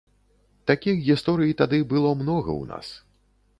Такіх гісторый тады было многа ў нас.